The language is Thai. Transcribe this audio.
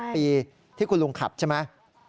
ปีที่คุณลุงขับใช่ไหม